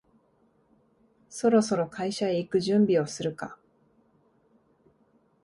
そろそろ会社へ行く準備をするか